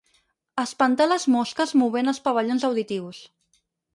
Espantar les mosques movent els pavellons auditius.